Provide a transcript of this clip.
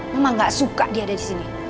mama gak suka dia ada disini